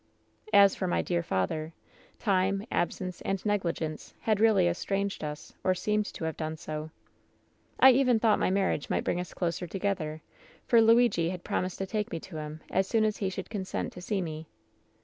"As for my dear father, time, absence and n^ligence had really estranged us, or seemed to have done so. ' WHEN SHADOWS DIE 167 *^I even thought my marriage might bring us closer together; for Luigi had promised to take me to him as soon as he should consent to see me.